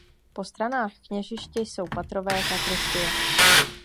Po stranách kněžiště jsou patrové sakristie.